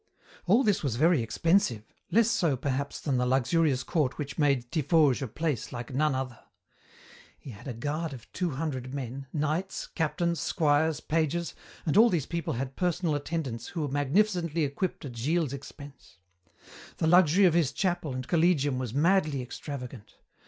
"All this was very expensive, less so, perhaps, than the luxurious court which made Tiffauges a place like none other. "He had a guard of two hundred men, knights, captains, squires, pages, and all these people had personal attendants who were magnificently equipped at Gilles's expense. The luxury of his chapel and collegium was madly extravagant.